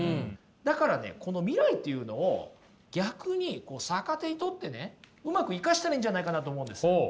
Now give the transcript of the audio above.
だからねこの未来っていうのを逆に逆手に取ってねうまく生かしたらいいんじゃないかなと思うんです。